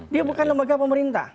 dia bukan lembaga pemerintah